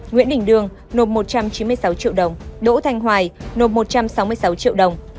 nguyễn đình đương nộp một trăm chín mươi sáu triệu đồng đỗ thanh hoài nộp một trăm sáu mươi sáu triệu đồng